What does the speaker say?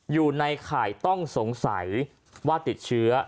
อยู่ในข่ายต้องสงสัยว่าติดเชื้อ